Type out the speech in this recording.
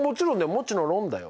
もちのろんだよ。